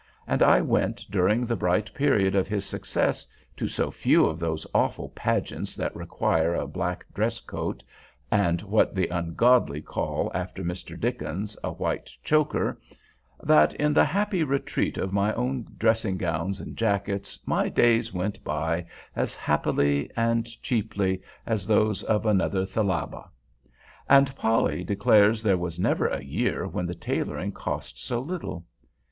And I went, during the bright period of his success, to so few of those awful pageants which require a black dress coat and what the ungodly call, after Mr. Dickens, a white choker, that in the happy retreat of my own dressing gowns and jackets my days went by as happily and cheaply as those of another Thalaba. And Polly declares there was never a year when the tailoring cost so little.